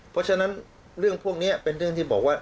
เพราะฉะนั้นเรื่องพวกนี้เป็นเรื่องที่บอกว่า